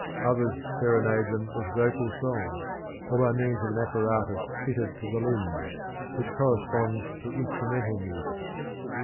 Others serenade them with vocal song, or by means of an apparatus fitted to the limbs, which corresponds to instrumental music.